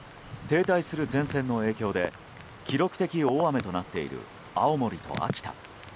停滞する前線の影響で記録的大雨となっている青森と秋田。